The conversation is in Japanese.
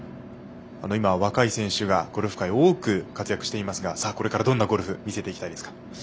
今、若い選手がゴルフ界で多く活躍していますがこれからどんなゴルフを見せていきたいですか？